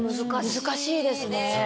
難しいですね。